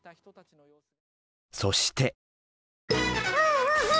そして。